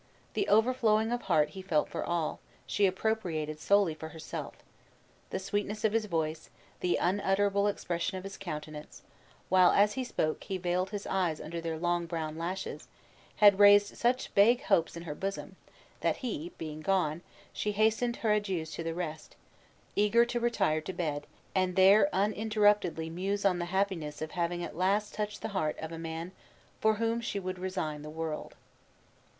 The overflowing of heart he felt for all, she appropriated solely for herself. The sweetness of his voice, the unutterable expression of his countenance, while, as he spoke, he veiled his eyes under their long brown lashes, had raised such vague hopes in her bosom, that he being gone she hastened her adieus to the rest, eager to retire to bed, and there uninterruptedly muse on the happiness of having at last touched the heart of a man for whom she would resign the world.